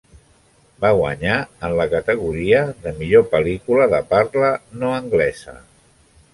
Va guanyar en la categoria de Millor pel·lícula de parla no anglesa.